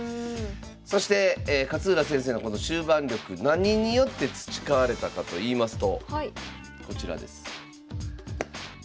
そして勝浦先生のこの終盤力何によって培われたかといいますとこちらです。